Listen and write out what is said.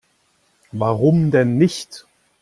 Warum denn nicht?